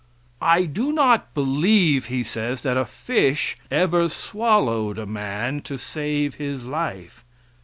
"I do not believe," he says, "that a fish ever swallowed a man to save his life."